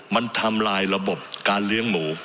มันทำลายระบบการเลี้ยงหมู